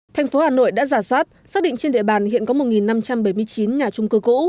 thành phố hà nội đã giả soát xác định trên địa bàn hiện có một năm trăm bảy mươi chín nhà trung cư cũ